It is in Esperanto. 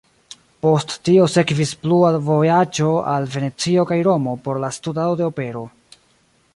Post tio sekvis plua vojaĝo al Venecio kaj Romo por la studado de opero.